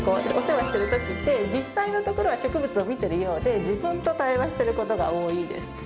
お世話してるときって、実際のところは植物を見てるようで、自分と対話していることが多いです。